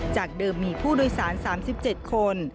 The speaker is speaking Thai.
จากเดิมมีผู้โดยสาร๓๗คน